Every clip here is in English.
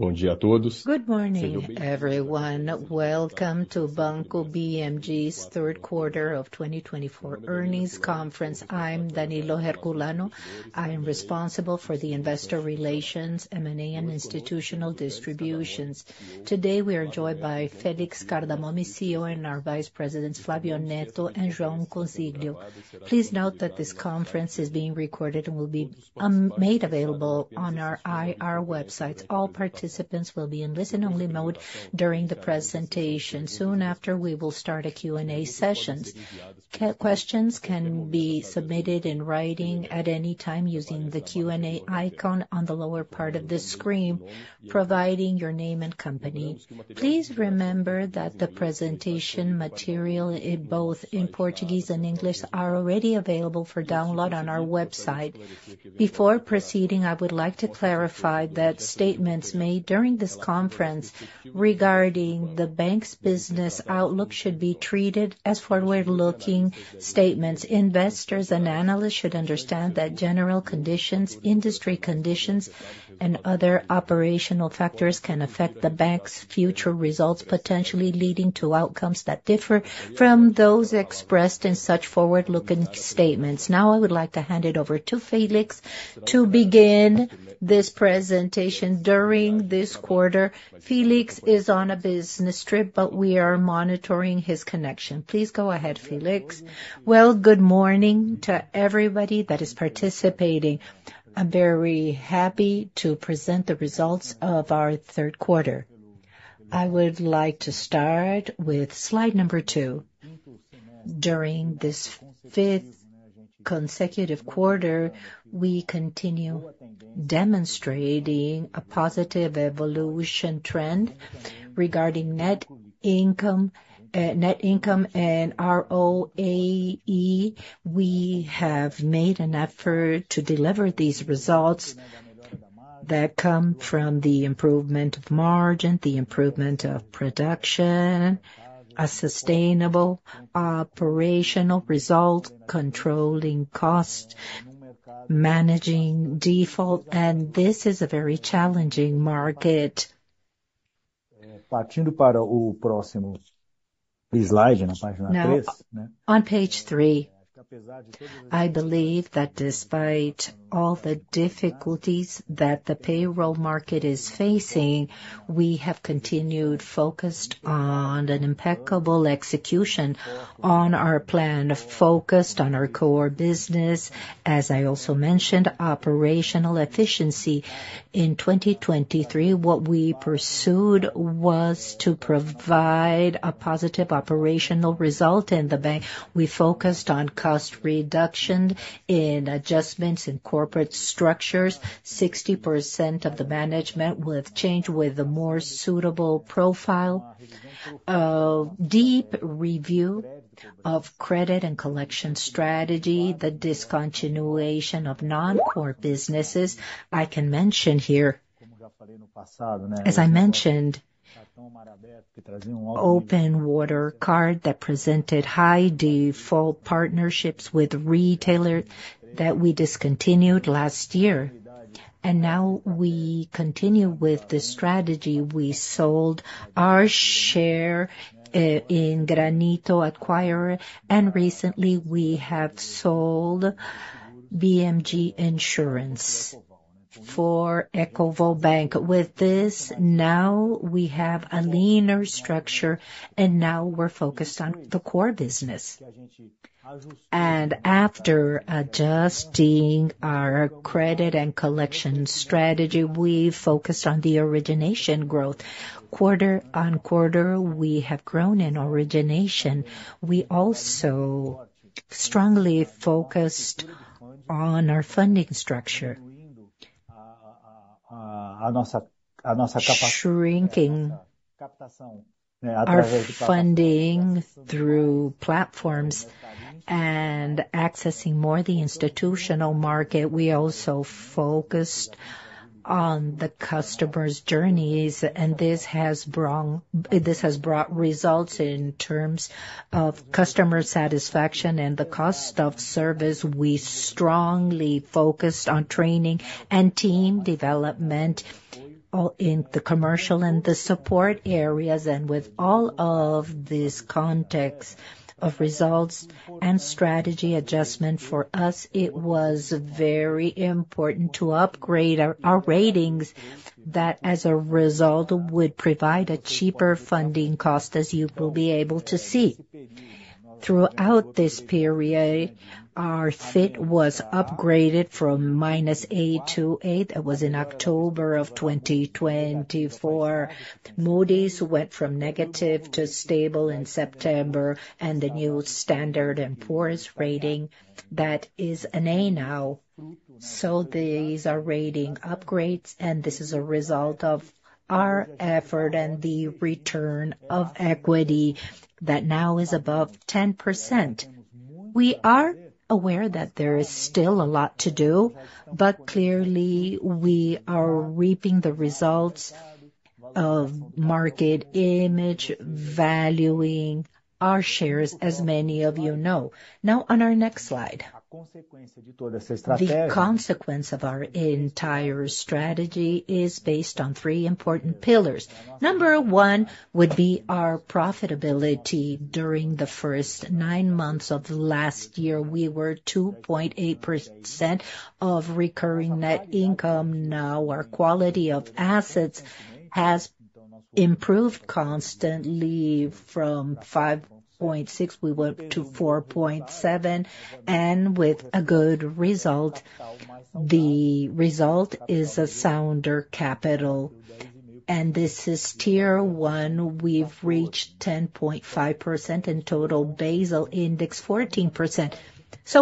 Good morning, everyone. Welcome to Banco BMG's Q3 of 2024 Earnings Conference. I'm Danilo Herculano. I am responsible for the investor relations, M&A, and institutional distributions. Today, we are joined by Félix Cardamone and our Vice Presidents, Flavio Neto and João Mendes. Please note that this conference is being recorded and will be made available on our IR websites. All participants will be in listen-only mode during the presentation. Soon after, we will start a Q&A session. Questions can be submitted in writing at any time using the Q&A icon on the lower part of the screen, providing your name and company. Please remember that the presentation material, both in Portuguese and English, is already available for download on our website. Before proceeding, I would like to clarify that statements made during this conference regarding the bank's business outlook should be treated as forward-looking statements. Investors and analysts should understand that general conditions, industry conditions, and other operational factors can affect the bank's future results, potentially leading to outcomes that differ from those expressed in such forward-looking statements. Now, I would like to hand it over to Félix to begin this presentation. During this quarter, Félix is on a business trip, but we are monitoring his connection. Please go ahead, Félix. Good morning to everybody that is participating. I'm very happy to present the results of our Q3. I would like to start with Slide 2. During this fifth consecutive quarter, we continue demonstrating a positive evolution trend regarding net income and ROAE. We have made an effort to deliver these results that come from the improvement of margin, the improvement of production, a sustainable operational result, controlling cost, managing default, and this is a very challenging market. On page three, I believe that despite all the difficulties that the payroll market is facing, we have continued focused on an impeccable execution on our plan, focused on our core business. As I also mentioned, operational efficiency in 2023, what we pursued was to provide a positive operational result in the bank. We focused on cost reduction in adjustments in corporate structures, 60% of the management with change, with a more suitable profile of deep review of credit and collection strategy, the discontinuation of non-core businesses. I can mention here, as I mentioned, the Open Water Card that presented high default partnerships with retailer that we discontinued last year. Now we continue with the strategy. We sold our share in Granito Acquire, and recently we have sold BMG Insurance for Ecovol Bank. With this, now we have a leaner structure, and now we're focused on the core business. After adjusting our credit and collection strategy, we focused on the origination growth. Quarter on quarter, we have grown in origination. We also strongly focused on our funding structure, shrinking our funding through platforms and accessing more of the institutional market. We also focused on the customer's journeys, and this has brought results in terms of customer satisfaction and the cost of service. We strongly focused on training and team development in the commercial and the support areas. With all of this context of results and strategy adjustment for us, it was very important to upgrade our ratings that, as a result, would provide a cheaper funding cost, as you will be able to see. Throughout this period, our FIT was upgraded from minus A to A. That was in October of 2024. Moody's went from negative to stable in September, and the new Standard and Poor's rating that is an A now. So these are rating upgrades, and this is a result of our effort and the return of equity that now is above 10%. We are aware that there is still a lot to do, but clearly we are reaping the results of market image valuing our shares, as many of you know. On our next slide, the consequence of our entire strategy is based on three important pillars. Number one would be our profitability. During the first nine months of last year, we were 2.8% of recurring net income. Our quality of assets has improved constantly from 5.6%. We went to 4.7%, and with a good result, the result is a sounder capital. This is Tier 1. We've reached 10.5% in total, Basel index 14%.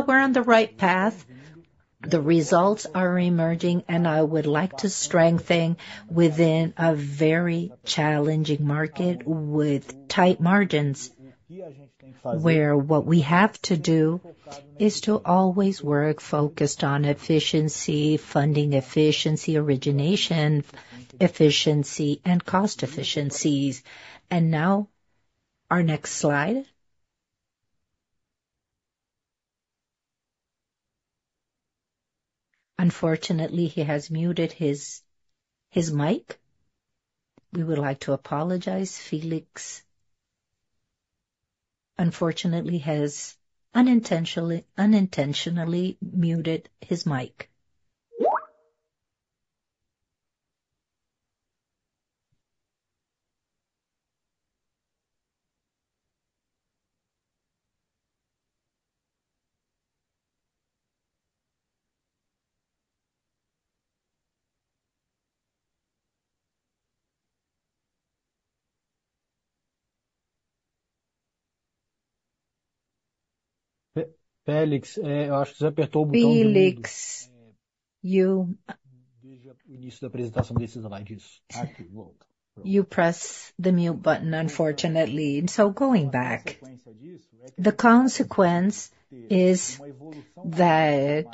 We're on the right path. The results are emerging, and I would like to strengthen within a very challenging market with tight margins, where what we have to do is always work focused on efficiency, funding efficiency, origination efficiency, and cost efficiencies. Now our next slide. Unfortunately, he has muted his mic. We would like to apologize. Félix, unfortunately, has unintentionally muted his mic. Félix, you pressed the mute button, unfortunately. So going back, the consequence is that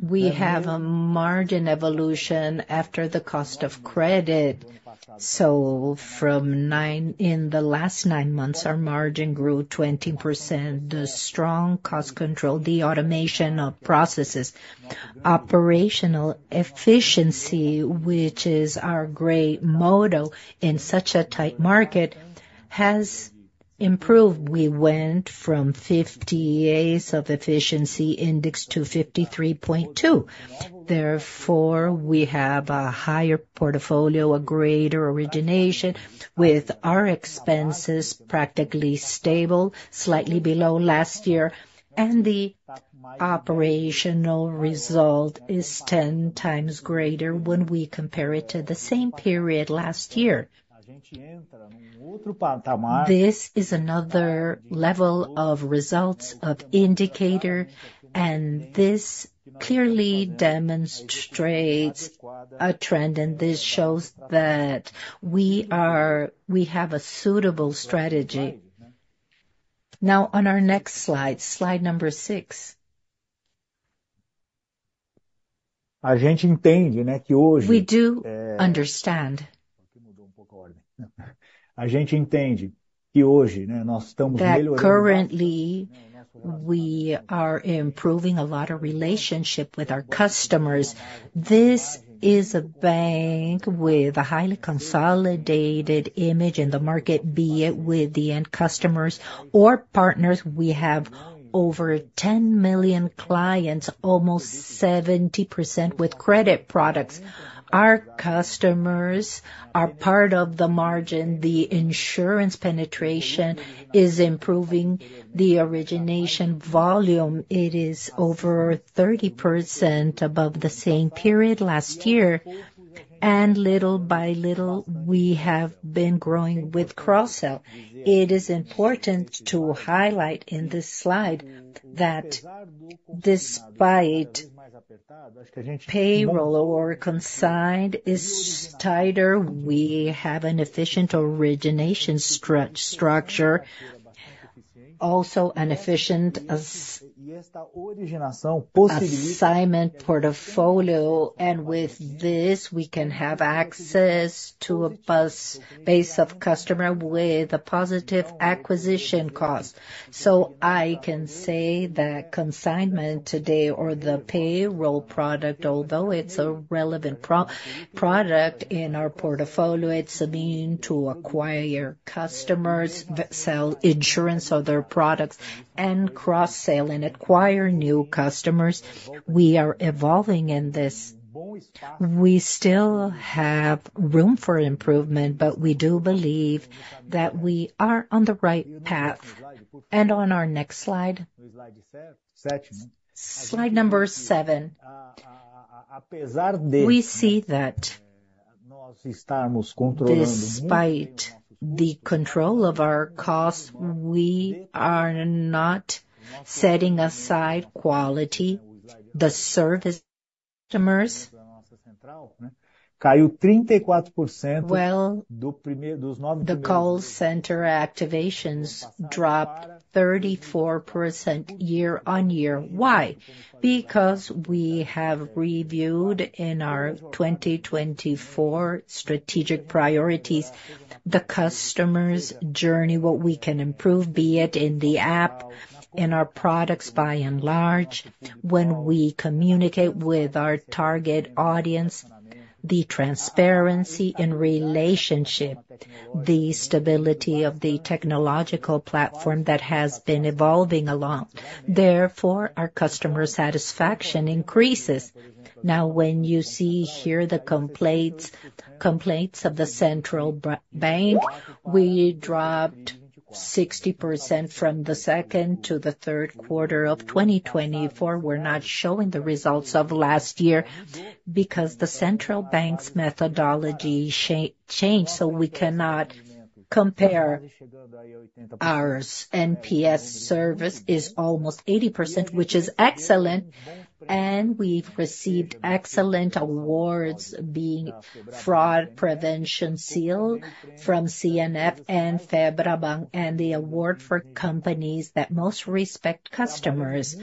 we have a margin evolution after the cost of credit. So from nine, in the last nine months, our margin grew 20%. The strong cost control, the automation of processes, operational efficiency, which is our great motto in such a tight market, has improved. We went from 50 days of efficiency index to 53.2. Therefore, we have a higher portfolio, a greater origination, with our expenses practically stable, slightly below last year. The operational result is 10 times greater when we compare it to the same period last year. This is another level of results of indicator, and this clearly demonstrates a trend, and this shows that we have a suitable strategy. Now, on our next slide, Slide 6, we do understand. We do understand. Currently, we are improving a lot of relationships with our customers. This is a bank with a highly consolidated image in the market, be it with the end customers or partners. We have over 10 million clients, almost 70% with credit products. Our customers are part of the margin. The insurance penetration is improving. The origination volume is over 30% above the same period last year. Little by little, we have been growing with cross-sell. It is important to highlight in this slide that despite payroll or consigned being tighter, we have an efficient origination structure, also an efficient assignment portfolio. With this, we can have access to a base of customers with a positive acquisition cost. I can say that consignment today, or the payroll product, although it's a relevant product in our portfolio, it's a means to acquire customers, sell insurance or other products, and cross-sell and acquire new customers. We are evolving in this. We still have room for improvement, but we do believe that we are on the right path. On our next slide, Slide 7, we see that despite the control of our costs, we are not setting aside quality. The service customers dropped 34% year on year. Why? Because we have reviewed in our 2024 strategic priorities the customer's journey, what we can improve, be it in the app, in our products, by and large, when we communicate with our target audience, the transparency in relationship, the stability of the technological platform that has been evolving along. Therefore, our customer satisfaction increases. Now, when you see here the complaints of the central bank, we dropped 60% from the second to the Q3 of 2024. We're not showing the results of last year because the central bank's methodology changed. So we cannot compare. Our NPS service is almost 80%, which is excellent, and we've received excellent awards being Fraud Prevention Seal from CNF and Febra Bank and the award for companies that most respect customers.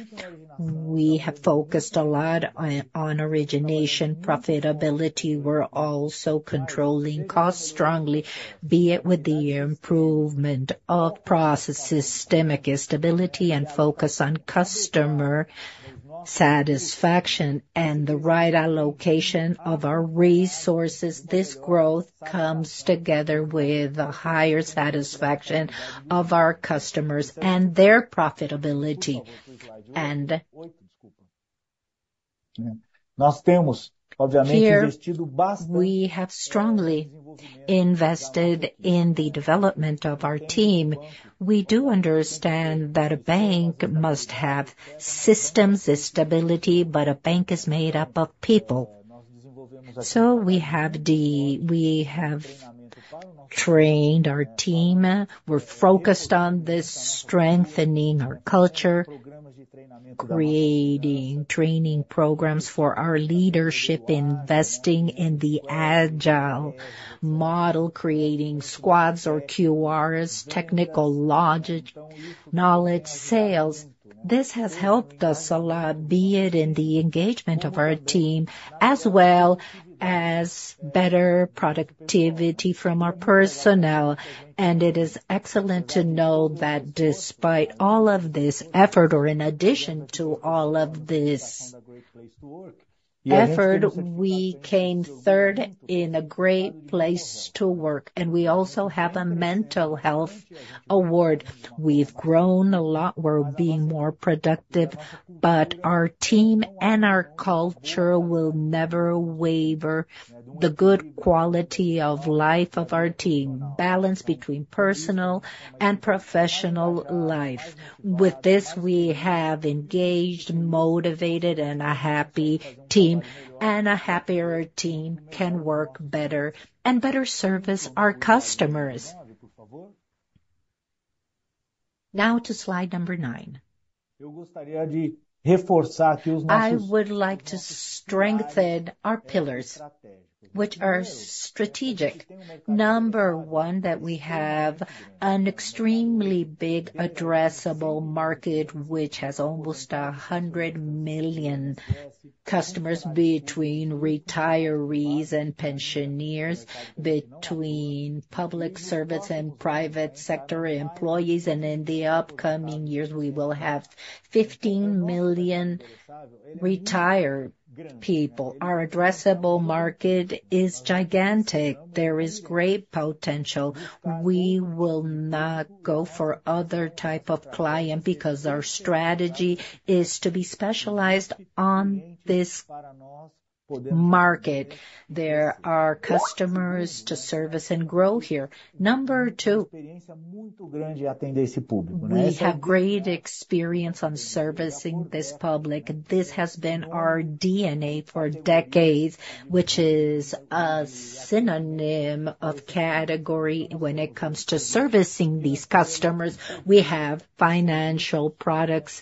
We have focused a lot on origination profitability. We're also controlling costs strongly, be it with the improvement of processes, systemic stability, and focus on customer satisfaction and the right allocation of our resources. This growth comes together with a higher satisfaction of our customers and their profitability. We have strongly invested in the development of our team. We do understand that a bank must have systems stability, but a bank is made up of people. We have trained our team. We're focused on strengthening our culture, creating training programs for our leadership, investing in the agile model, creating squads or QRs, technical logic, knowledge, sales. This has helped us a lot, be it in the engagement of our team as well as better productivity from our personnel. It is excellent to know that despite all of this effort, or in addition to all of this effort, we came third in a great place to work. We also have a mental health award. We've grown a lot. We're being more productive, but our team and our culture will never waver the good quality of life of our team, balance between personal and professional life. With this, we have engaged, motivated, and a happy team, and a happier team can work better and better service our customers. Now to Slide 9, I would like to strengthen our pillars, which are strategic. Number one, that we have an extremely big addressable market, which has almost 100 million customers between retirees and pensioners, between public service and private sector employees. In the upcoming years, we will have 15 million retired people. Our addressable market is gigantic. There is great potential. We will not go for other type of client because our strategy is to be specialized on this market. There are customers to service and grow here. Number two, we have great experience on servicing this public. This has been our DNA for decades, which is a synonym of category when it comes to servicing these customers. We have financial products,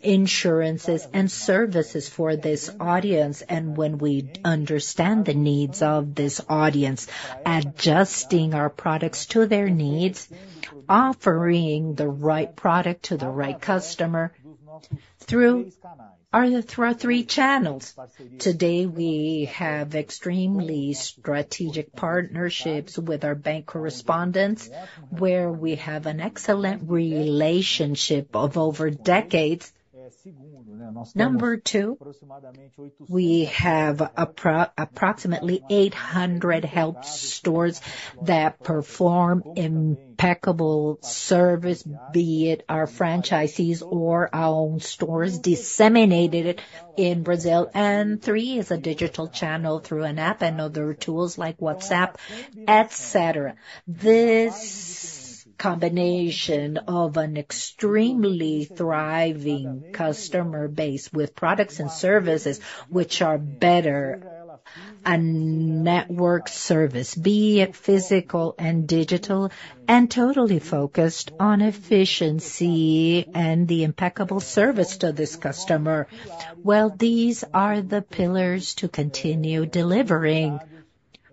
insurances, and services for this audience. When we understand the needs of this audience, adjusting our products to their needs, offering the right product to the right customer through our three channels. Today, we have extremely strategic partnerships with our bank correspondents, where we have an excellent relationship of over decades. Number two, we have approximately 800 health stores that perform impeccable service, be it our franchisees or our own stores disseminated in Brazil. Three is a digital channel through an app and other tools like WhatsApp, etc. This combination of an extremely thriving customer base with products and services, which are better a network service, be it physical and digital, and totally focused on efficiency and the impeccable service to this customer. These are the pillars to continue delivering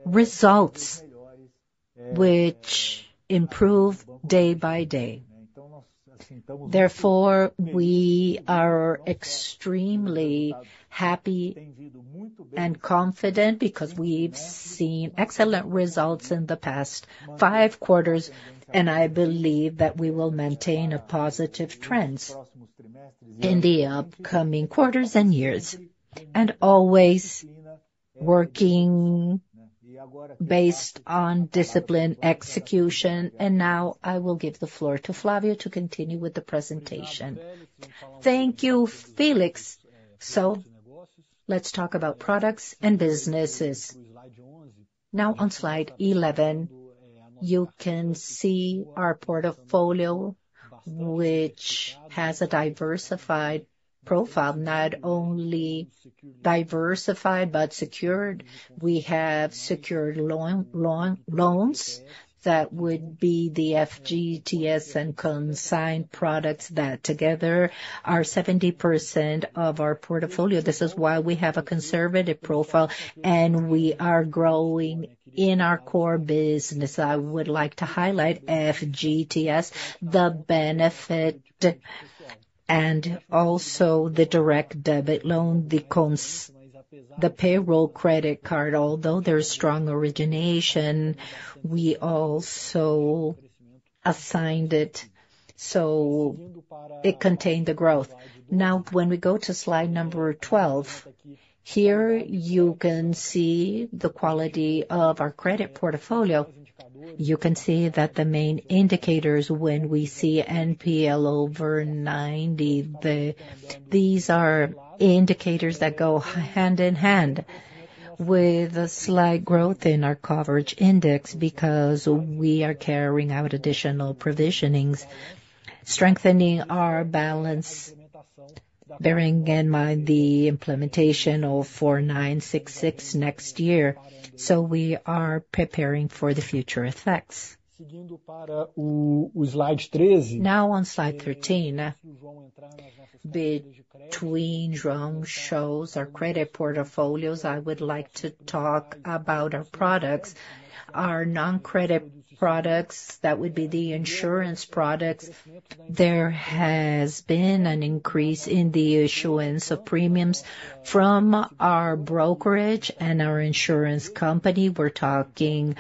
results, which improve day by day. Therefore, we are extremely happy and confident because we've seen excellent results in the past five quarters, and I believe that we will maintain positive trends in the upcoming quarters and years, always working based on disciplined execution. I will now give the floor to Flavio to continue with the presentation. Thank you, Félix. Let's talk about products and businesses. On Slide 11, you can see our portfolio, which has a diversified profile, not only diversified, but secured. We have secured loans that would be the FGTS and consigned products that together are 70% of our portfolio. This is why we have a conservative profile, and we are growing in our core business. I would like to highlight FGTS, the benefit, and also the direct debit loan, the payroll credit card. Although there's strong origination, we also assigned it, so it contained the growth. Now, when we go to Slide 12, here you can see the quality of our credit portfolio. You can see that the main indicators, when we see NPL over 90, these are indicators that go hand in hand with a slight growth in our coverage index because we are carrying out additional provisions, strengthening our balance, bearing in mind the implementation of 4966 next year. So we are preparing for the future effects. Now, on Slide 13, between drawing shows our credit portfolios, I would like to talk about our products, our non-credit products that would be the insurance products. There has been an increase in the issuance of premiums from our brokerage and our insurance company. We're talking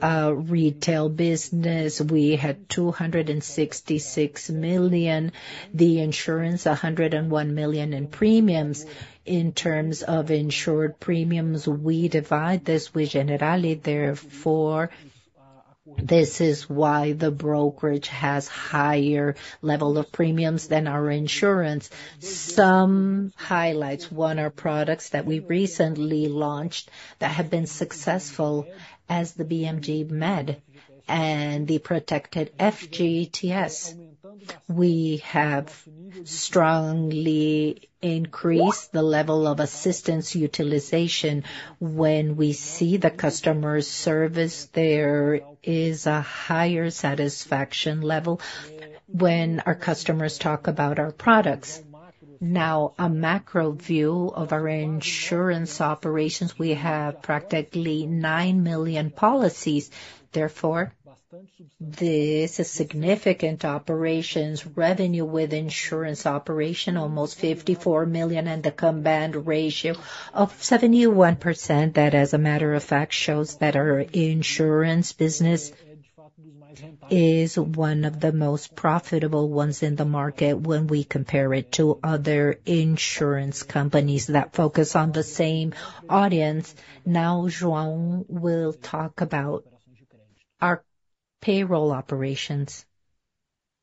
retail business. We had $266 million, the insurance, $101 million in premiums. In terms of insured premiums, we divide this with Generali. Therefore, this is why the brokerage has a higher level of premiums than our insurance. Some highlights one of our products that we recently launched that have been successful as the BMG Med and the protected FGTS. We have strongly increased the level of assistance utilization. When we see the customer service, there is a higher satisfaction level when our customers talk about our products. Now, a macro view of our insurance operations, we have practically 9 million policies. Therefore, this is significant operations revenue with insurance operation, almost $54 million, and the combined ratio of 71%. That, as a matter of fact, shows that our insurance business is one of the most profitable ones in the market when we compare it to other insurance companies that focus on the same audience. Now, João will talk about our payroll operations.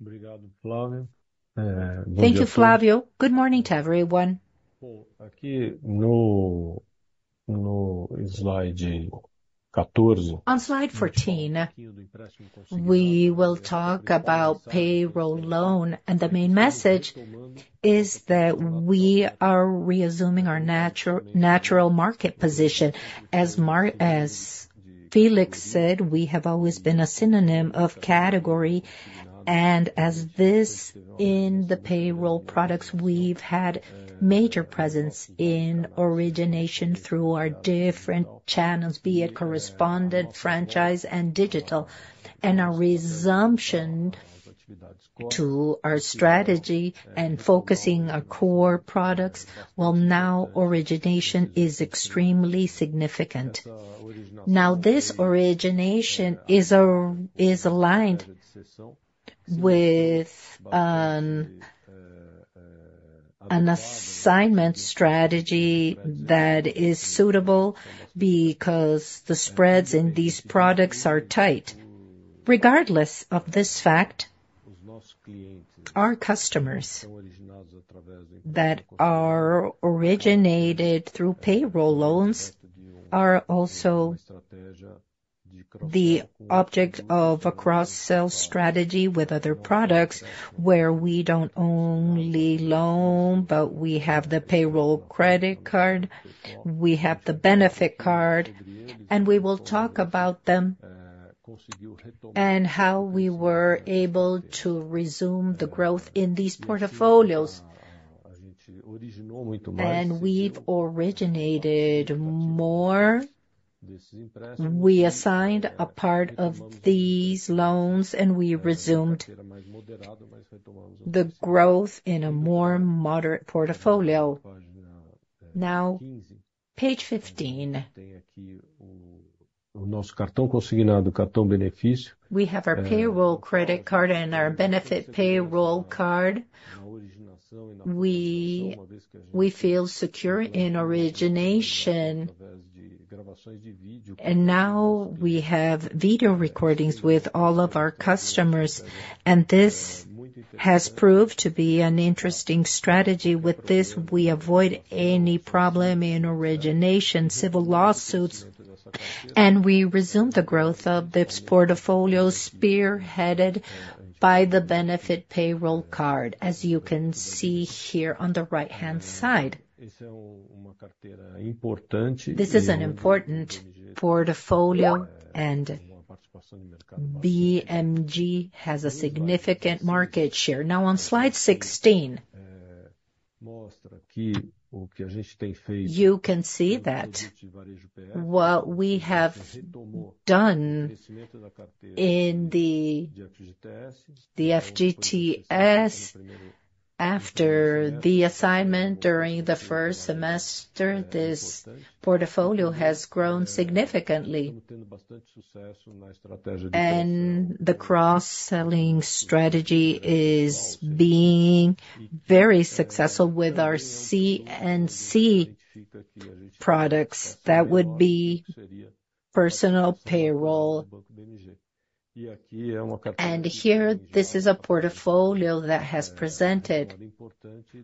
Thank you, Flavio. Good morning to everyone. On Slide 14, we will talk about payroll loan, and the main message is that we are reassuming our natural market position. As Félix said, we have always been a synonym of category, and as this in the payroll products, we've had major presence in origination through our different channels, be it correspondent, franchise, and digital. Our resumption to our strategy and focusing our core products, well, now origination is extremely significant. This origination is aligned with an assignment strategy that is suitable because the spreads in these products are tight. Regardless of this fact, our customers that are originated through payroll loans are also the object of a cross-sell strategy with other products where we don't only loan, but we have the payroll credit card, we have the benefit card, and we will talk about them and how we were able to resume the growth in these portfolios. We've originated more, we assigned a part of these loans, and we resumed the growth in a more moderate portfolio. Now, page 15, we have our payroll credit card and our benefit payroll card. We feel secure in origination, and now we have video recordings with all of our customers, and this has proved to be an interesting strategy. With this, we avoid any problem in origination, civil lawsuits, and we resume the growth of this portfolio spearheaded by the benefit payroll card, as you can see here on the right-hand side. This is an important portfolio, and BMG has a significant market share. On Slide 16, you can see that what we have done in the FGTS, after the assignment during the first semester, this portfolio has grown significantly. The cross-selling strategy is being very successful with our CNC products that would be personal payroll. Here, this is a portfolio that has presented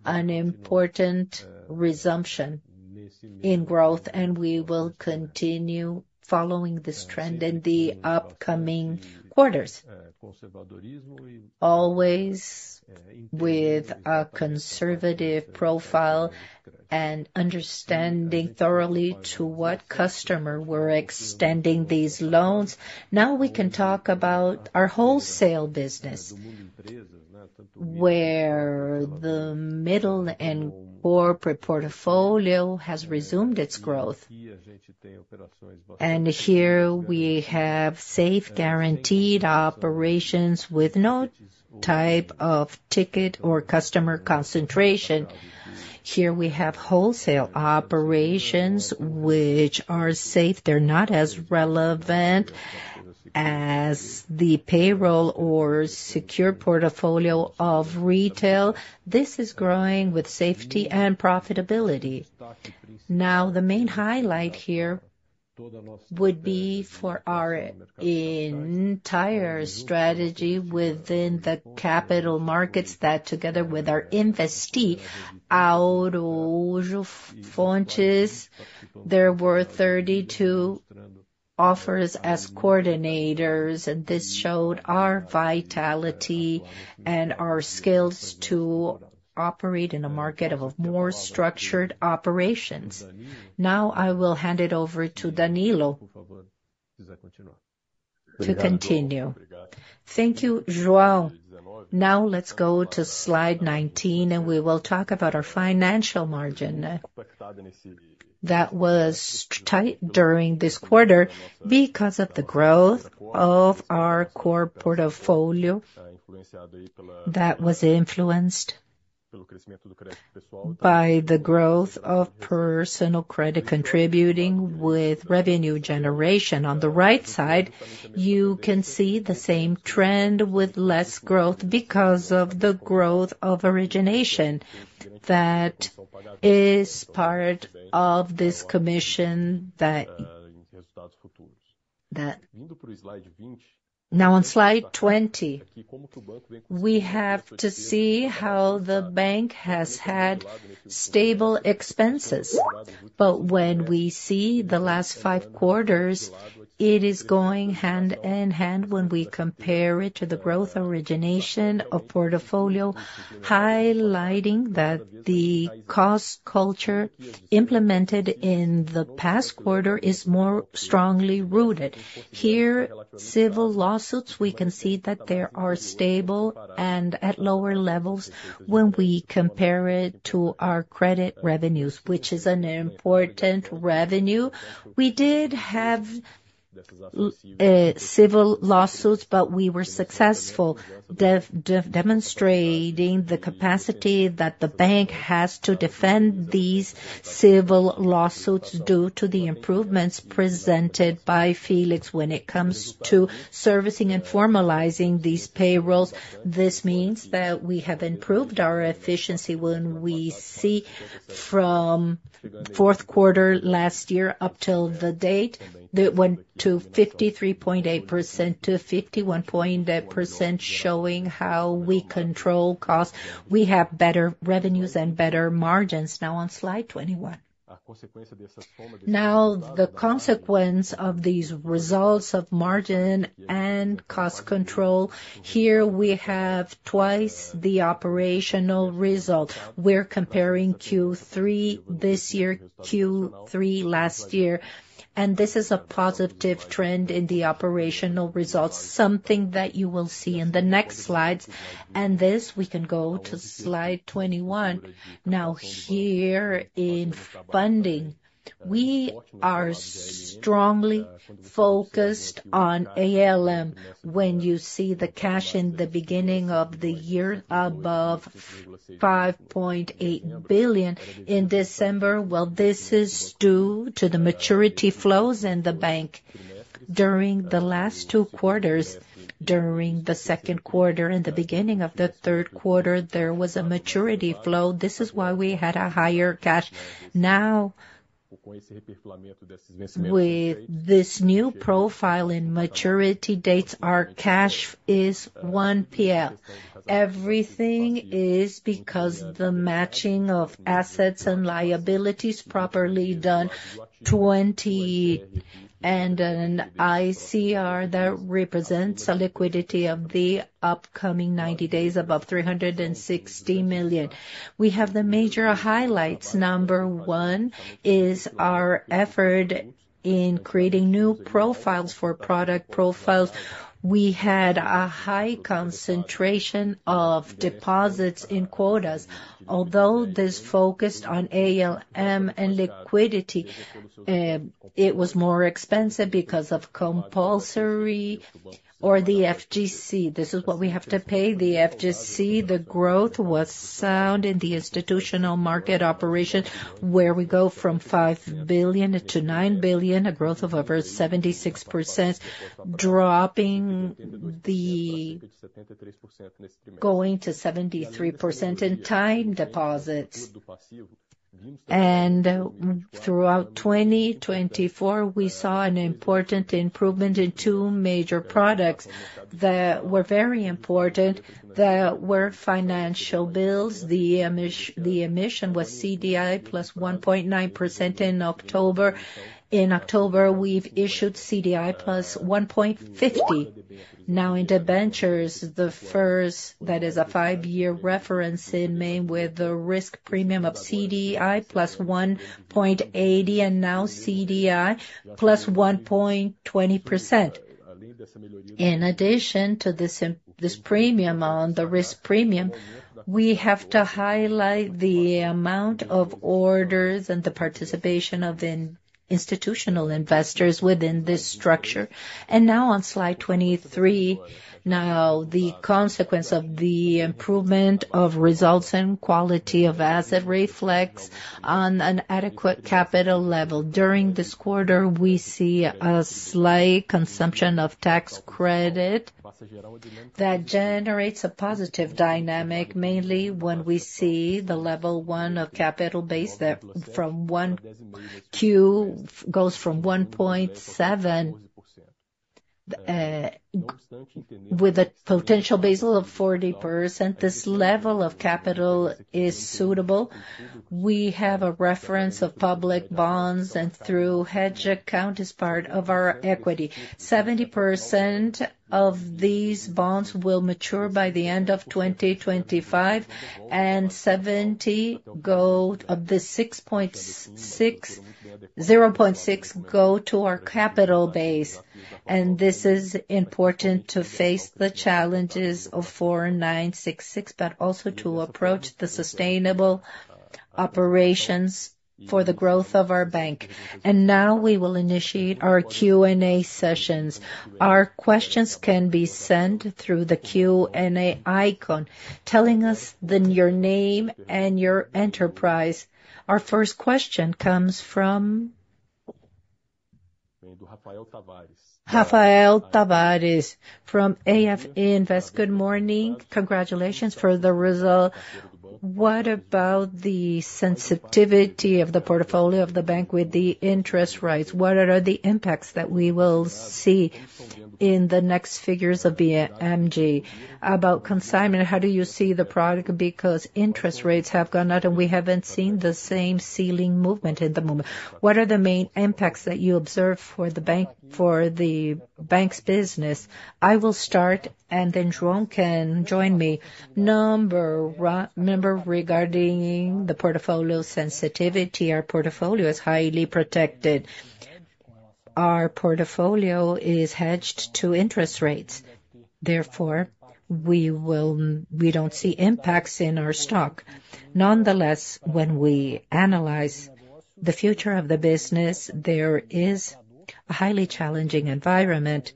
an important resumption in growth, and we will continue following this trend in the upcoming quarters, always with a conservative profile and understanding thoroughly to what customer we're extending these loans. We can talk about our wholesale business, where the middle and corporate portfolio has resumed its growth. Here we have safe, guaranteed operations with no type of ticket or customer concentration. Here we have wholesale operations, which are safe. They're not as relevant as the payroll or secure portfolio of retail. This is growing with safety and profitability. The main highlight here would be for our entire strategy within the capital markets that, together with our investee, Araújo Fontes, there were 32 offers as coordinators, and this showed our vitality and our skills to operate in a market of more structured operations. I will hand it over to Danilo to continue. Thank you, João. Let's go to Slide 19, and we will talk about our financial margin that was tight during this quarter because of the growth of our core portfolio that was influenced by the growth of personal credit contributing with revenue generation. On the right side, you can see the same trend with less growth because of the growth of origination that is part of this commission. Now, on Slide 20, we have to see how the bank has had stable expenses, but when we see the last five quarters, it is going hand in hand when we compare it to the growth origination of portfolio, highlighting that the cost culture implemented in the past quarter is more strongly rooted. Here, civil lawsuits, we can see that they are stable and at lower levels when we compare it to our credit revenues, which is an important revenue. We did have civil lawsuits, but we were successful demonstrating the capacity that the bank has to defend these civil lawsuits due to the improvements presented by Félix when it comes to servicing and formalizing these payrolls. This means that we have improved our efficiency when we see from Q4 last year up till the date that went to 53.8% to 51.8%, showing how we control costs. We have better revenues and better margins. Now, on Slide 21, the consequence of these results of margin and cost control, here we have twice the operational result. We're comparing Q3 this year, Q3 last year, and this is a positive trend in the operational results, something that you will see in the next slides. This, we can go to Slide 21. Now, here in funding, we are strongly focused on ALM. When you see the cash in the beginning of the year above $5.8 billion in December, this is due to the maturity flows in the bank during the last two quarters. During the Q2, in the beginning of the Q3, there was a maturity flow. This is why we had a higher cash. Now, with this new profile in maturity dates, our cash is $1 billion. Everything is because of the matching of assets and liabilities properly done, and an ICR that represents the liquidity of the upcoming 90 days above $360 million. We have the major highlights. Number one is our effort in creating new profiles for product profiles. We had a high concentration of deposits in quotas. Although this focused on ALM and liquidity, it was more expensive because of compulsory or the FGC. This is what we have to pay the FGC. The growth was sound in the institutional market operation, where we go from $5 billion to $9 billion, a growth of over 76%, dropping the going to 73% in time deposits. Throughout 2024, we saw an important improvement in two major products that were very important, that were financial bills. The emission was CDI plus 1.9% in October. In October, we've issued CDI plus 1.50%. In the ventures, the first, that is a five-year reference in Maine with the risk premium of CDI plus 1.80%, and now CDI plus 1.20%. In addition to this premium on the risk premium, we have to highlight the amount of orders and the participation of institutional investors within this structure. On Slide 23, the consequence of the improvement of results and quality of asset reflects on an adequate capital level. During this quarter, we see a slight consumption of tax credit that generates a positive dynamic, mainly when we see the level one of capital base that goes from 1.7% with a potential Basel of 40%. This level of capital is suitable. We have a reference of public bonds, and through hedge account is part of our equity. 70% of these bonds will mature by the end of 2025, and 70% of the 0.6% go to our capital base. This is important to face the challenges of 4966, but also to approach the sustainable operations for the growth of our bank. Now we will initiate our Q&A sessions. Our questions can be sent through the Q&A icon, telling us your name and your enterprise. Our first question comes from Raphael Tavares from AF Invest. Good morning. Congratulations for the result. What about the sensitivity of the portfolio of the bank with the interest rates? What are the impacts that we will see in the next figures of the MG? About consignment, how do you see the product? Because interest rates have gone up and we haven't seen the same ceiling movement in the moment, what are the main impacts that you observe for the bank's business? I will start, and then João can join me. Number one regarding the portfolio sensitivity, our portfolio is highly protected. Our portfolio is hedged to interest rates. Therefore, we don't see impacts in our stock. Nonetheless, when we analyze the future of the business, there is a highly challenging environment.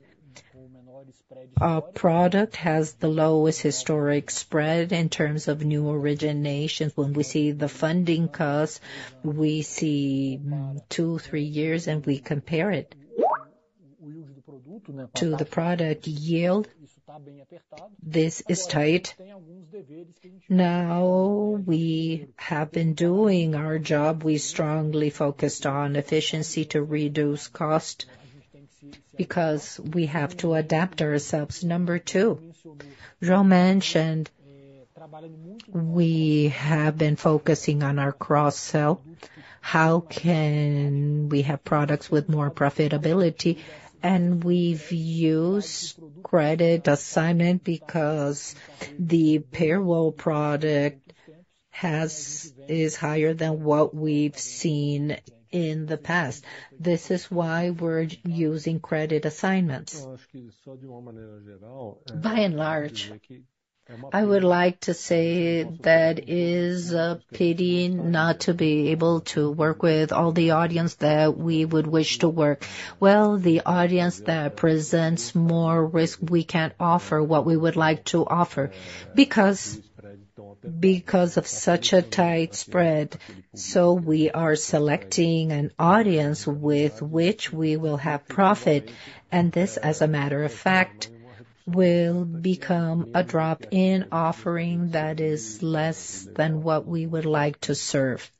Our product has the lowest historic spread in terms of new originations. When we see the funding costs, we see two, three years, and we compare it to the product yield. This is tight. Now, we have been doing our job. We strongly focused on efficiency to reduce cost because we have to adapt ourselves. Number two, João mentioned we have been focusing on our cross-sell. How can we have products with more profitability? We've used credit assignment because the payroll product is higher than what we've seen in the past. This is why we're using credit assignments. By and large, I would like to say that it is a pity not to be able to work with all the audience that we would wish to work. The audience that presents more risk, we can't offer what we would like to offer because of such a tight spread. So we are selecting an audience with which we will have profit, and this, as a matter of fact, will become a drop-in offering that is less than what we would like to serve.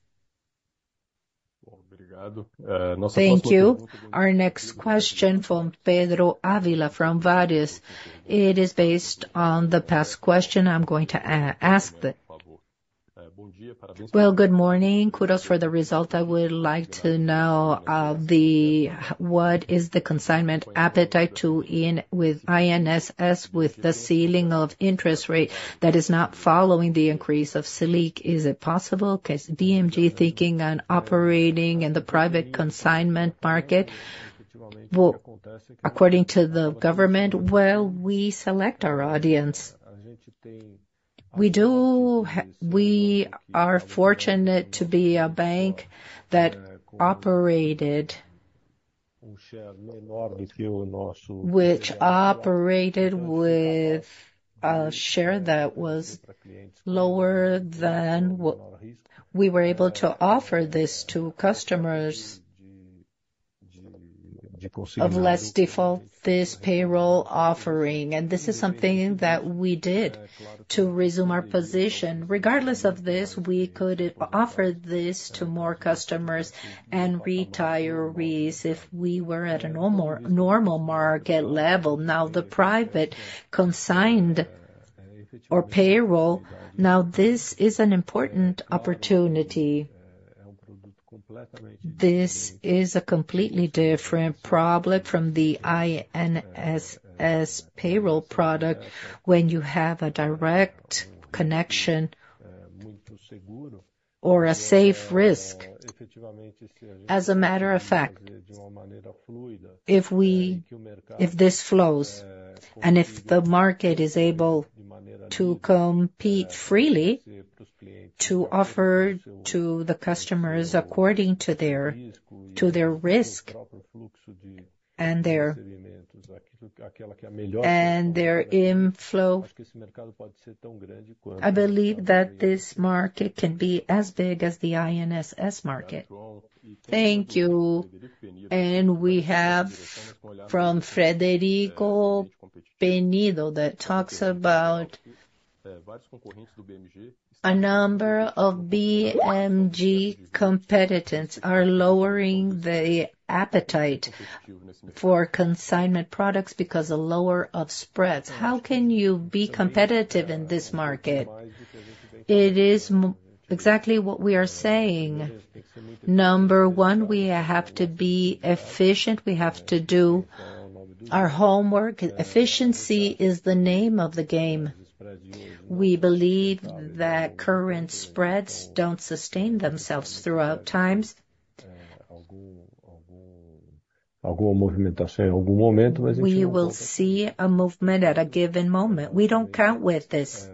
Thank you. Our next question from Pedro Avila from Vadis. It is based on the past question I'm going to ask. Good morning. Kudos for the result. I would like to know what is the consignment appetite to INSS with the ceiling of interest rate that is not following the increase of Selic? Is it possible? BMG thinking on operating in the private consignment market, according to the government? Well, we select our audience. We are fortunate to be a bank that operated, which operated with a share that was lower than we were able to offer this to customers of less default this payroll offering. This is something that we did to resume our position. Regardless of this, we could offer this to more customers and retirees if we were at a normal market level. Now, the private consigned or payroll, now this is an important opportunity. This is a completely different problem from the INSS payroll product when you have a direct connection or a safe risk. As a matter of fact, if this flows and if the market is able to compete freely to offer to the customers according to their risk and their inflow, I believe that this market can be as big as the INSS market. Thank you. We have from Frederico Penido that talks about a number of BMG competitors are lowering the appetite for consignment products because of lower spreads. How can you be competitive in this market? It is exactly what we are saying. Number one, we have to be efficient. We have to do our homework. Efficiency is the name of the game. We believe that current spreads don't sustain themselves throughout times. We will see a movement at a given moment. We don't count with this.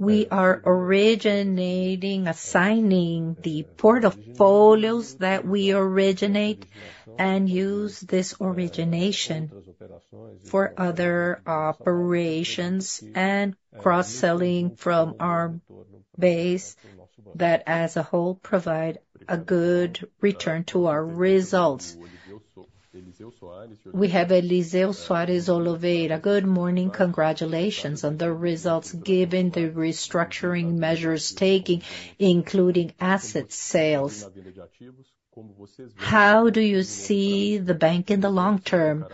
We are originating, assigning the portfolios that we originate and use this origination for other operations and cross-selling from our base that, as a whole, provide a good return to our results. We have Eliseu Soares Oliveira. Good morning. Congratulations on the results given the restructuring measures taken, including asset sales. How do you see the bank in the long term?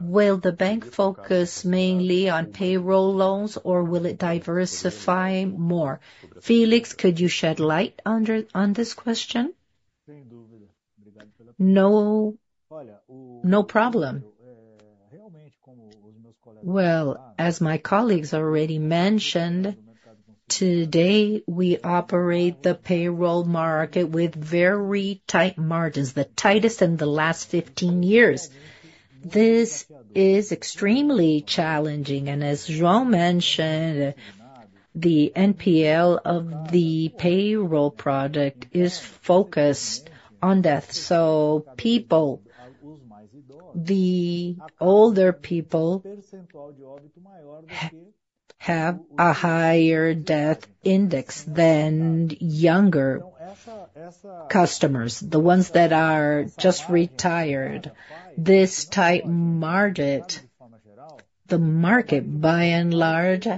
Will the bank focus mainly on payroll loans, or will it diversify more? Félix, could you shed light on this question? No problem. As my colleagues already mentioned, today we operate the payroll market with very tight margins, the tightest in the last 15 years. This is extremely challenging. As João mentioned, the NPL of the payroll product is focused on death. So people, the older people, have a higher death index than younger customers, the ones that are just retired. This tight market, the market by and large,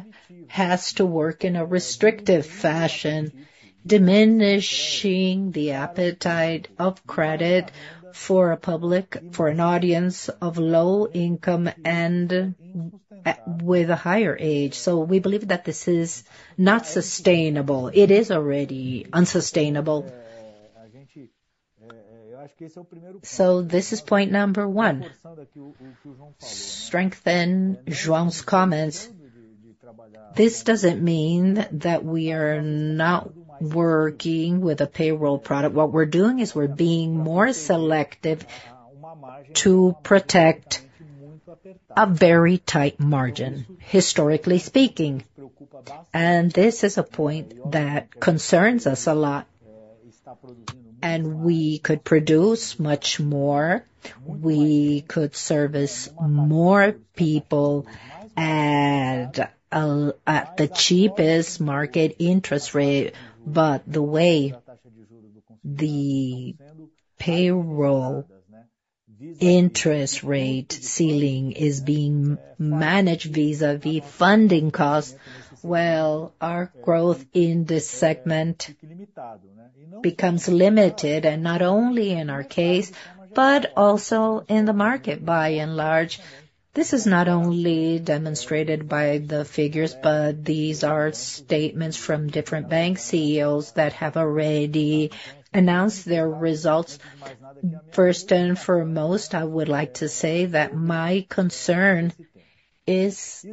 has to work in a restrictive fashion, diminishing the appetite of credit for an audience of low income and with a higher age. We believe that this is not sustainable. It is already unsustainable. This is point number one. Strengthen João's comments. This doesn't mean that we are not working with a payroll product. What we're doing is we're being more selective to protect a very tight margin, historically speaking. This is a point that concerns us a lot. We could produce much more. We could service more people at the cheapest market interest rate. But the way the payroll interest rate ceiling is being managed vis-à-vis funding costs, well, our growth in this segment becomes limited, and not only in our case, but also in the market by and large. This is not only demonstrated by the figures, but these are statements from different bank CEOs that have already announced their results. First and foremost, I would like to say that my concern is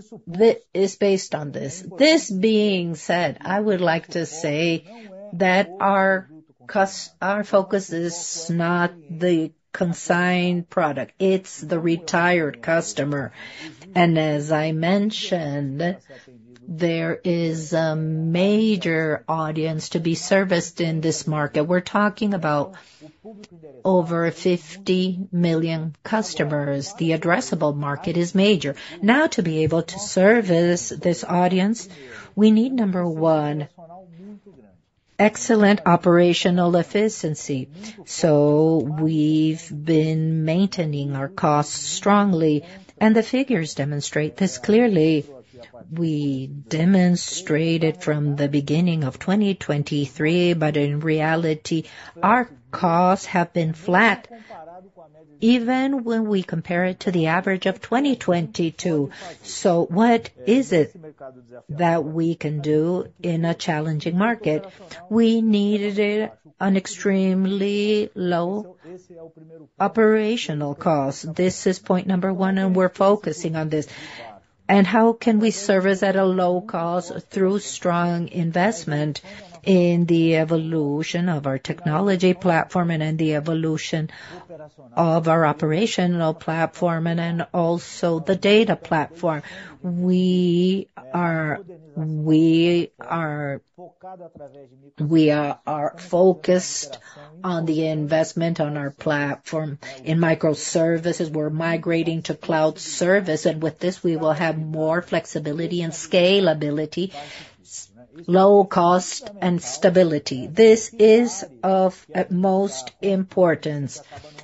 based on this. This being said, I would like to say that our focus is not the consigned product. It's the retired customer. As I mentioned, there is a major audience to be serviced in this market. We're talking about over 50 million customers. The addressable market is major. Now, to be able to service this audience, we need, number one, excellent operational efficiency. We've been maintaining our costs strongly, and the figures demonstrate this clearly. We demonstrated from the beginning of 2023, but in reality, our costs have been flat even when we compare it to the average of 2022. What is it that we can do in a challenging market? We needed an extremely low operational cost. This is point number one, and we're focusing on this. How can we service at a low cost through strong investment in the evolution of our technology platform and in the evolution of our operational platform and also the data platform? We are focused on the investment on our platform in microservices. We're migrating to cloud service. With this, we will have more flexibility and scalability, low cost, and stability. This is of utmost importance.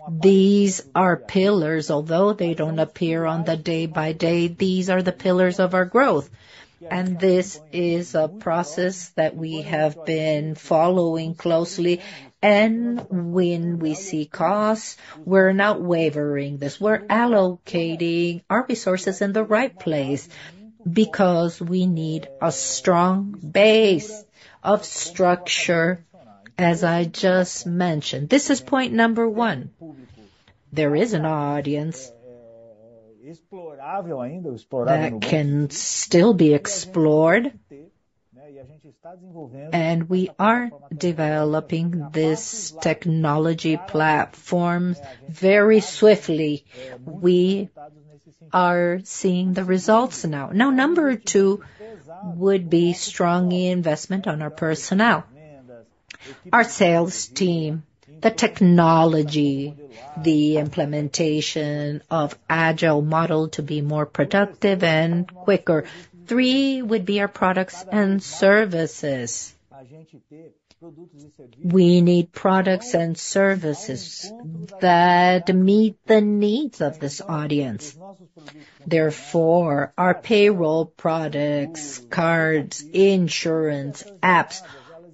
These are pillars. Although they don't appear on the day-by-day, these are the pillars of our growth. This is a process that we have been following closely. When we see costs, we're not wavering this. We're allocating our resources in the right place because we need a strong base of structure, as I just mentioned. This is point number one. There is an audience that can still be explored, and we are developing this technology platform very swiftly. We are seeing the results now. Number two would be strong investment on our personnel, our sales team, the technology, the implementation of agile model to be more productive and quicker. Three would be our products and services. We need products and services that meet the needs of this audience. Therefore, our payroll products, cards, insurance, apps,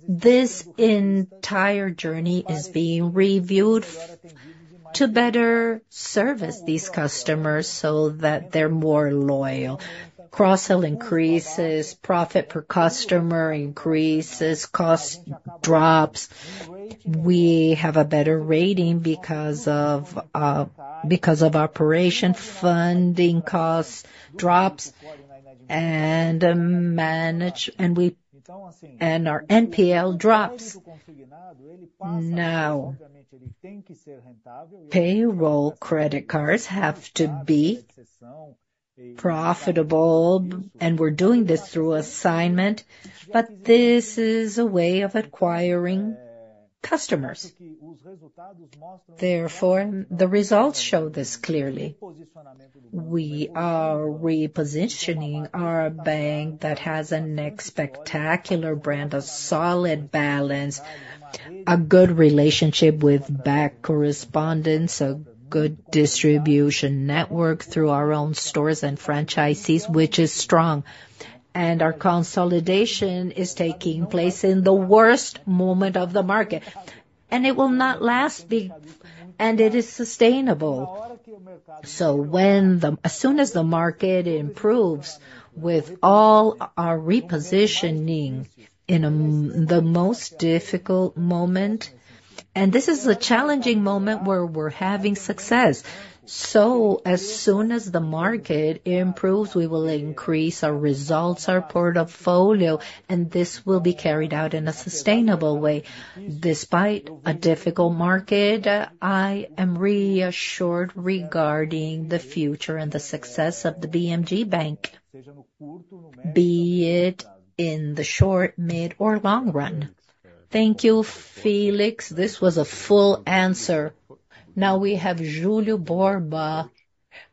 this entire journey is being reviewed to better service these customers so that they're more loyal. Cross-sell increases, profit per customer increases, cost drops. We have a better rating because of operation funding costs drops and our NPL drops. Payroll credit cards have to be profitable, and we're doing this through assignment, but this is a way of acquiring customers. Therefore, the results show this clearly. We are repositioning our bank that has a spectacular brand, a solid balance, a good relationship with back correspondence, a good distribution network through our own stores and franchisees, which is strong. Our consolidation is taking place in the worst moment of the market, and it will not last, and it is sustainable. As soon as the market improves with all our repositioning in the most difficult moment, and this is a challenging moment where we're having success. As soon as the market improves, we will increase our results, our portfolio, and this will be carried out in a sustainable way. Despite a difficult market, I am reassured regarding the future and the success of the BMG Bank, be it in the short, mid, or long run. Thank you, Félix. This was a full answer. Now we have Julio Borba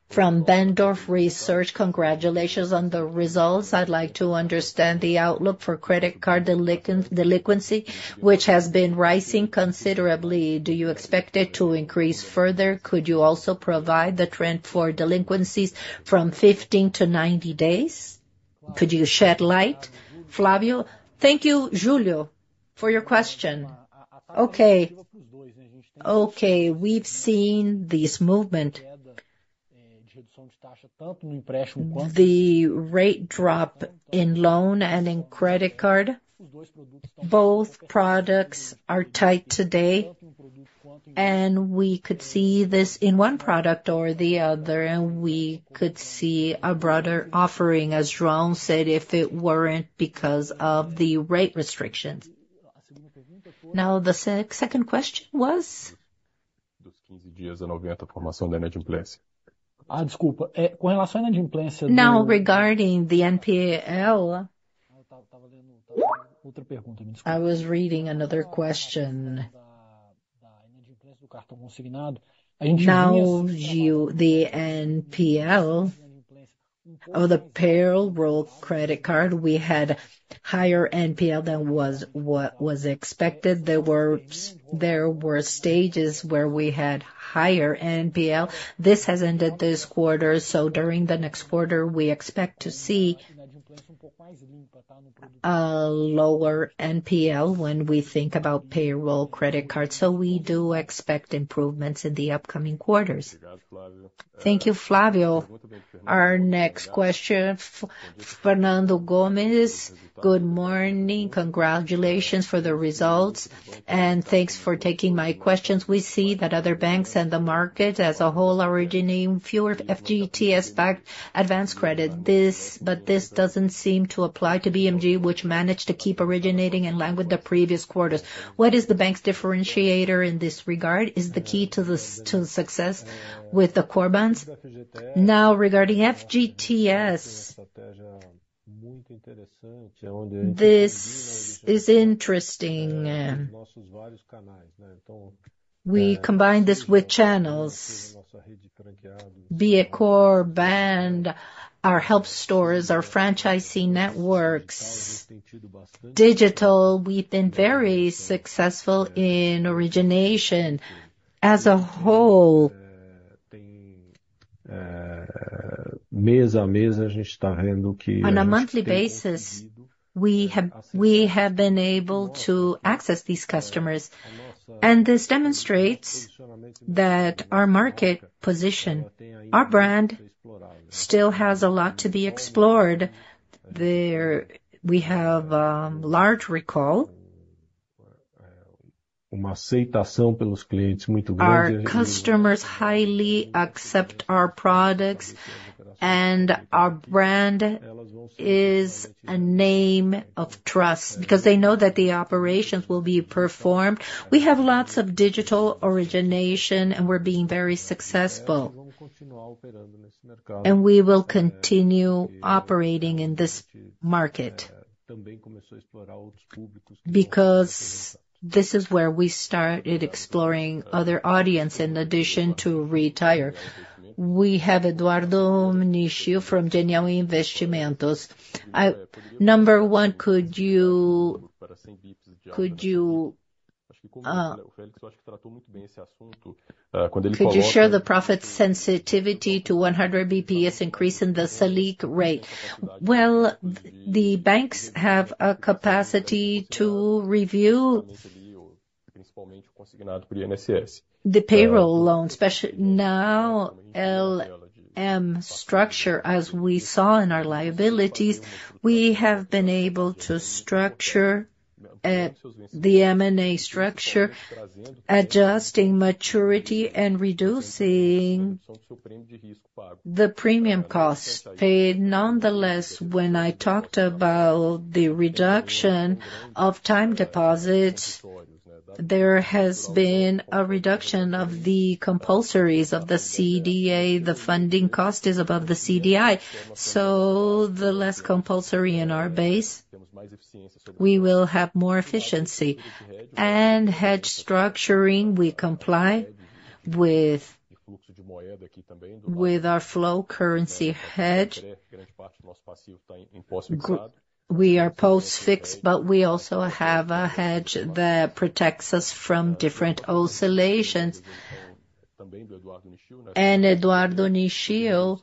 from BennDorf Research. Congratulations on the results. I'd like to understand the outlook for credit card delinquency, which has been rising considerably. Do you expect it to increase further? Could you also provide the trend for delinquencies from 15 to 90 days? Could you shed light? Flavio, thank you, Julio, for your question. We've seen this movement, the rate drop in loan and in credit card. Both products are tight today, and we could see this in one product or the other, and we could see a broader offering, as João said, if it weren't because of the rate restrictions. Now, the second question was? Desculpa. Com relação à inadimplência. Now, regarding the NPL, I was reading another question. Now, Julio, the NPL of the payroll credit card, we had higher NPL than was expected. There were stages where we had higher NPL. This has ended this quarter, so during the next quarter, we expect to see a lower NPL when we think about payroll credit cards. So we do expect improvements in the upcoming quarters. Thank you, Flavio. Our next question, Fernando Gomes, good morning. Congratulations for the results, and thanks for taking my questions. We see that other banks and the market as a whole are originating fewer FGTS backed advance credit. This doesn't seem to apply to BMG, which managed to keep originating in line with the previous quarters. What is the bank's differentiator in this regard? Is the key to success with the Corbans? Now, regarding FGTS, this is interesting. We combined this with channels, BECOR, BAND, our help stores, our franchisee networks. Digital, we've been very successful in origination. As a whole, on a monthly basis, we have been able to access these customers. This demonstrates that our market position, our brand, still has a lot to be explored. We have a large recall, our customers highly accept our products, and our brand is a name of trust because they know that the operations will be performed. We have lots of digital origination, and we're being very successful, and we will continue operating in this market because this is where we started exploring other audiences in addition to retired. We have Eduardo Nichio from Genial Investimentos. Number one, could you address the profit sensitivity to 100 BPS increase in the SELIC rate? The banks have a capacity to review the payroll loan structure, as we saw in our liabilities. We have been able to structure the M&A structure, adjusting maturity and reducing the premium cost. Nonetheless, when I talked about the reduction of time deposits, there has been a reduction of the compulsories of the CDI. The funding cost is above the CDI, so the less compulsory in our base, we will have more efficiency. And hedge structuring, we comply with our flow currency hedge. We are post-fixed, but we also have a hedge that protects us from different oscillations. And Eduardo Nichio,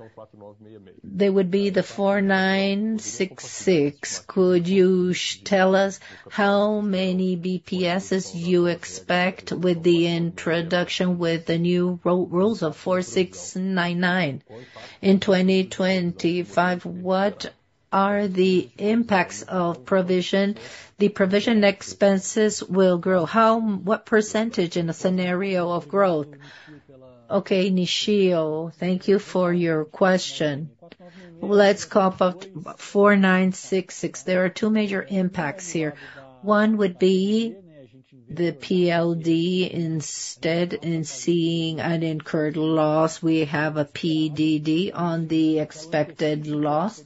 they would be the 4966. Could you tell us how many BPS you expect with the introduction with the new rules of 4699 in 2025? What are the impacts of provision? The provision expenses will grow. What percentage in a scenario of growth? Okay, Nichio, thank you for your question. Let's call 4966. There are two major impacts here. One would be the PLD instead of seeing an incurred loss. We have a PDD on the expected loss.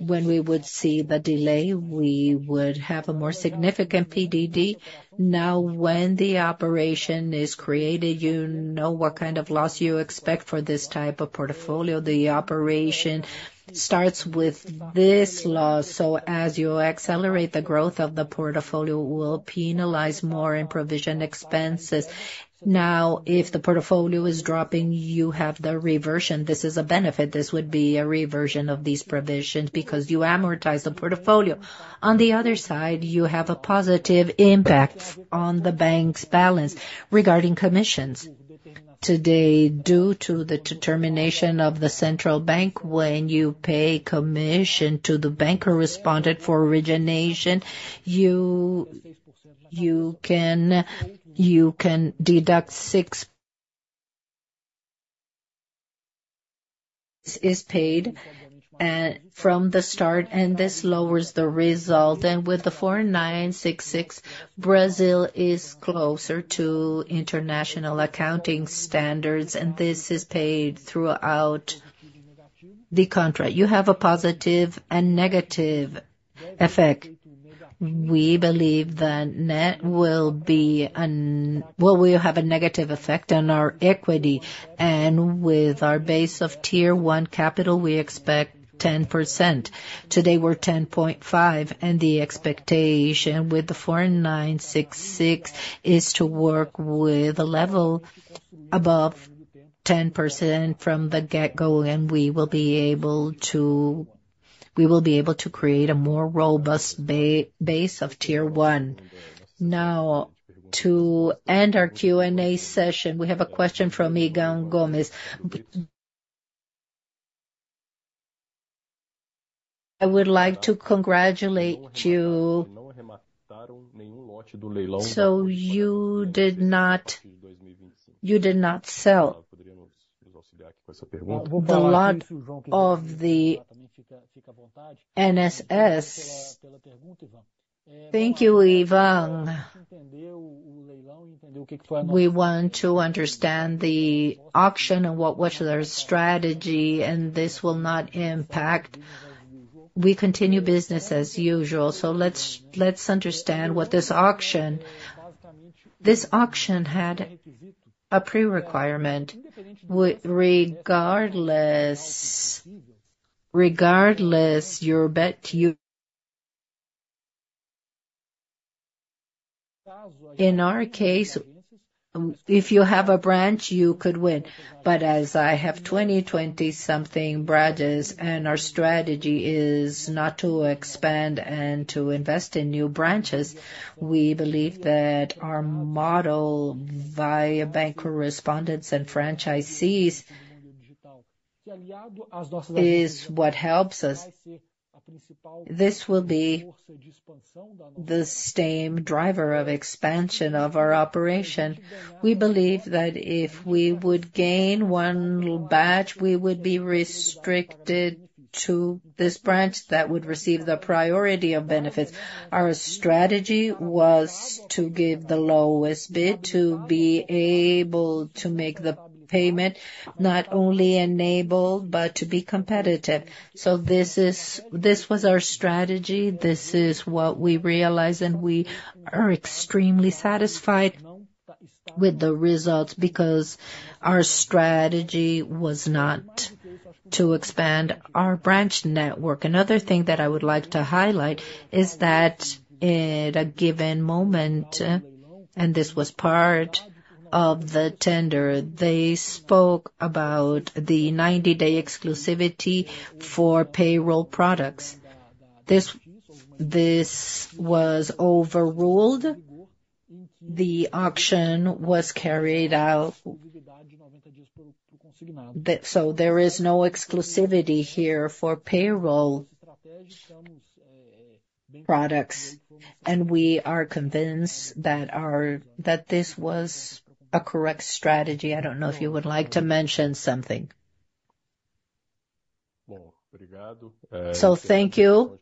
When we would see the delay, we would have a more significant PDD. Now, when the operation is created, you know what kind of loss you expect for this type of portfolio. The operation starts with this loss. As you accelerate the growth of the portfolio, it will penalize more in provision expenses. Now, if the portfolio is dropping, you have the reversion. This is a benefit. This would be a reversion of these provisions because you amortize the portfolio. On the other side, you have a positive impact on the bank's balance. Regarding commissions, today, due to the determination of the central bank, when you pay commission to the banker respondent for origination, you can deduct 6%. This is paid from the start, and this lowers the result. With the 4966, Brazil is closer to international accounting standards, and this is paid throughout the contract. You have a positive and negative effect. We believe that net will be a negative effect on our equity. With our base of Tier 1 capital, we expect 10%. Today, we're 10.5%, and the expectation with the 4966 is to work with a level above 10% from the get-go, and we will be able to create a more robust base of Tier 1. Now, to end our Q&A session, we have a question from Igor Gomes. I would like to congratulate you so you did not sell. We want to understand the auction and what was their strategy, and this will not impact. We continue business as usual, so let's understand what this auction had. A prerequisite regardless your bet. In our case, if you have a branch, you could win. But as I have 20, 20-something branches, and our strategy is not to expand and to invest in new branches, we believe that our model via banker respondents and franchisees is what helps us. This will be the same driver of expansion of our operation. We believe that if we would gain one branch, we would be restricted to this branch that would receive the priority of benefits. Our strategy was to give the lowest bid to be able to make the payment not only enabled but to be competitive. This was our strategy. This is what we realize, and we are extremely satisfied with the results because our strategy was not to expand our branch network. Another thing that I would like to highlight is that at a given moment, and this was part of the tender, they spoke about the 90-day exclusivity for payroll products. This was overruled. The auction was carried out, so there is no exclusivity here for payroll products, and we are convinced that this was a correct strategy. I don't know if you would like to mention something. Thank you.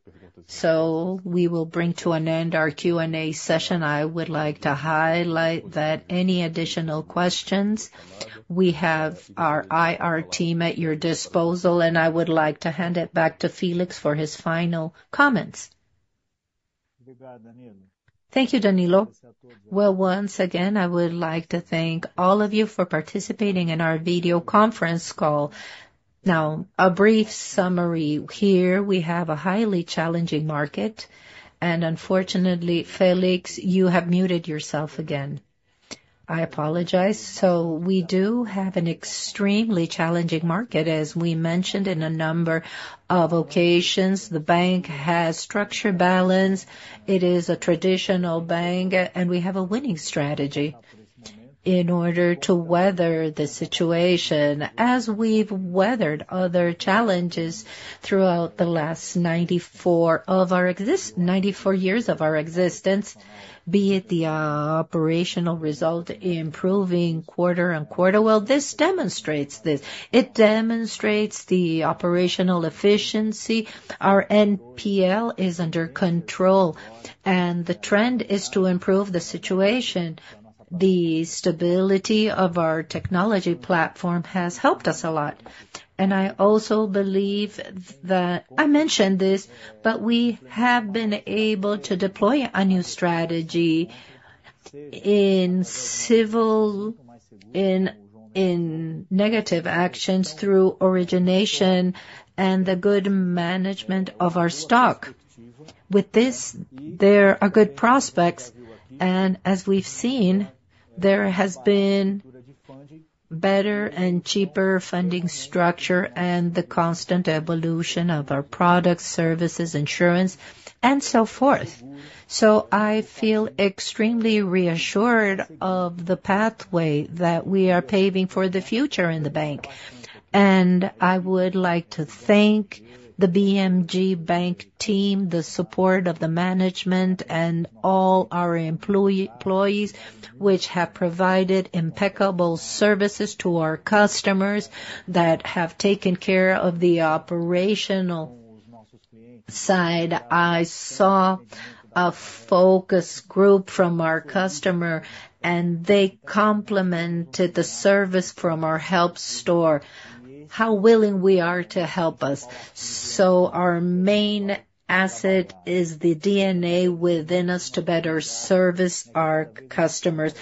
We will bring to an end our Q&A session. I would like to highlight that any additional questions, we have our IR team at your disposal, and I would like to hand it back to Felix for his final comments. Thank you, Danilo. Once again, I would like to thank all of you for participating in our video conference call. Now, a brief summary here. We have a highly challenging market, and unfortunately, Felix, you have muted yourself again. I apologize. We do have an extremely challenging market, as we mentioned on a number of occasions. The bank has structured balance. It is a traditional bank, and we have a winning strategy in order to weather the situation as we've weathered other challenges throughout the last 94 years of our existence, be it the operational result, improving quarter on quarter. This demonstrates this. It demonstrates the operational efficiency. Our NPL is under control, and the trend is to improve the situation. The stability of our technology platform has helped us a lot. I also believe that I mentioned this, but we have been able to deploy a new strategy in negative actions through origination and the good management of our stock. With this, there are good prospects, and as we've seen, there has been better and cheaper funding structure and the constant evolution of our products, services, insurance, and so forth. So I feel extremely reassured of the pathway that we are paving for the future in the bank. I would like to thank the BMG Bank team, the support of the management, and all our employees, which have provided impeccable services to our customers that have taken care of the operational side. I saw a focus group from our customers, and they complimented the service from our help desk, how willing we are to help them. Our main asset is the DNA within us to better service our customers.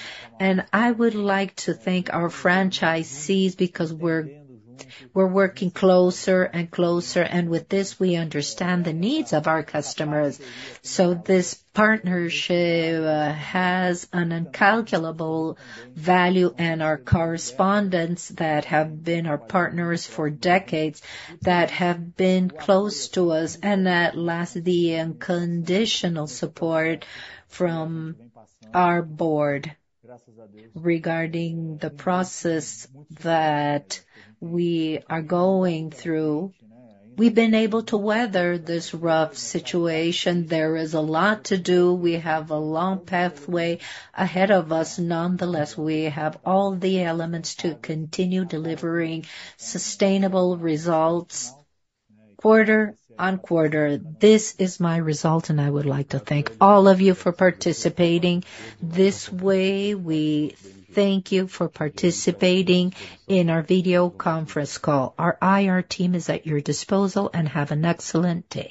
I would like to thank our franchisees because we're working closer and closer, and with this, we understand the needs of our customers. This partnership has an incalculable value, and our correspondents that have been our partners for decades that have been close to us, and that have the unconditional support from our board. Regarding the process that we are going through, we've been able to weather this rough situation. There is a lot to do. We have a long pathway ahead of us. Nonetheless, we have all the elements to continue delivering sustainable results quarter on quarter. This is my result, and I would like to thank all of you for participating. This way, we thank you for participating in our video conference call. Our IR team is at your disposal, and have an excellent day.